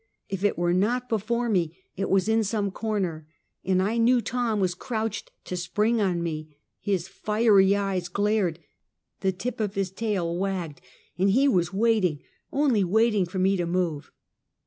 If it was not before me it was in some corner, and I knew Tom was crouched to spring on me; his fiery eyes glared, the tip of his tail wagged, and he was waiting, only waiting for me to move.